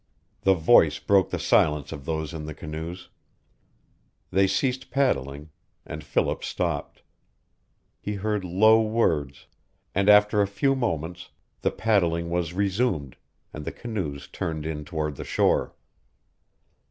The voice broke the silence of those in the canoes. They ceased paddling, and Philip stopped. He heard low words, and after a few moments the paddling was resumed, and the canoes turned in toward the shore.